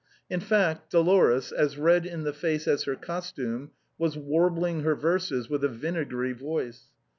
In fact, Dolores, as red in the face as her costume, was warbling her verses with a vinegary voice.